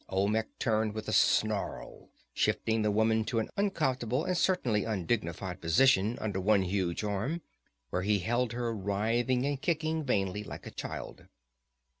Olmec turned with a snarl, shifting the woman to an uncomfortable and certainly undignified position under one huge arm, where he held her writhing and kicking vainly, like a child.